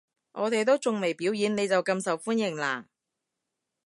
我哋都仲未表演，你就咁受歡迎喇